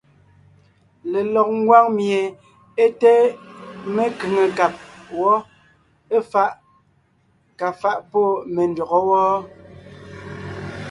Lelɔg ngwáŋ mie é té mekʉ̀ŋekab wɔ́, éfaʼ kà faʼ pɔ́ me ndÿɔgɔ́ wɔ́ɔ.